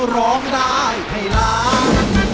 ร้องได้ให้ล้าน